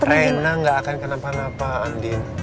renna enggak akan kenapa napa andin